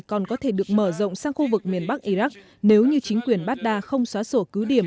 còn có thể được mở rộng sang khu vực miền bắc iraq nếu như chính quyền baghdad không xóa sổ cứ điểm